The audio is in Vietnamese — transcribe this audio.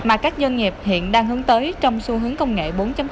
mà các doanh nghiệp hiện đang hướng tới trong xu hướng công nghệ bốn